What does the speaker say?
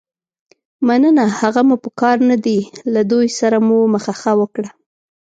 مننه، هغه مو په کار نه دي، له دوی سره مو مخه ښه وکړه.